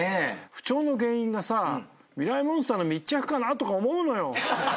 不調の原因がさ『ミライ☆モンスター』の密着かなとか思うのよ。